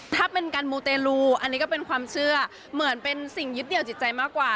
ถ้าเป็นการมูเตลูอันนี้ก็เป็นความเชื่อเหมือนเป็นสิ่งยึดเหนียวจิตใจมากกว่า